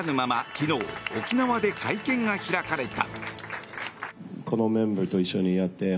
昨日、沖縄で会見が開かれた。